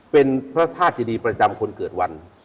เป็นพระธาตุเจดีประจำคนเกิดวัน